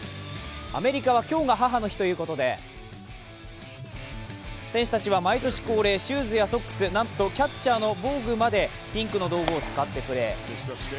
アメリカは今日が母の日ということで、選手たちは毎年恒例、シューズやソックス、なんとキャッチャーの防具までピンクの道具を使ってプレー。